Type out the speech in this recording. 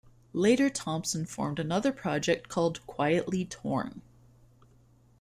Later Thompson formed another project called "Quietly Torn".